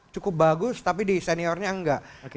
u sembilan belas cukup bagus tapi di seniornya enggak